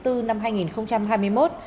hai mươi hai tháng bốn năm hai nghìn hai mươi một